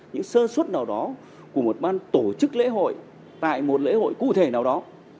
những sơ suất nào đó của một ban tổ chức lễ hội tại một lễ hội cụ thể nào đó